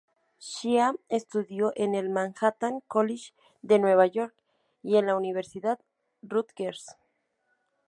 Shea estudió en el Manhattan College de Nueva York, y en la Universidad Rutgers.